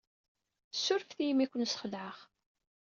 Ssurfet-iyi imi ay ken-sxelɛeɣ.